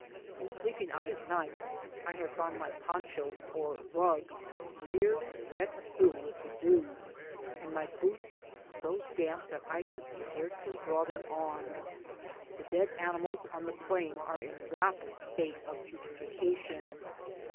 In sleeping out at night, I have found my poncho (or rug) nearly wet through with the dew, and my boots so damp that I could scarcely draw them on. The dead animals on the plain are in a rapid state of putrefaction.